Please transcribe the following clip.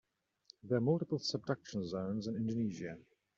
There are multiple subduction zones in Indonesia.